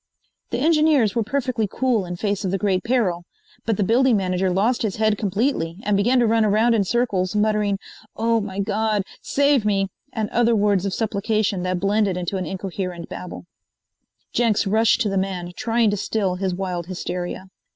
The engineers were perfectly cool in face of the great peril, but the building manager lost his head completely and began to run around in circles muttering: "Oh, my God, save me!" and other words of supplication that blended into an incoherent babel. Jenks rushed to the man, trying to still his wild hysteria.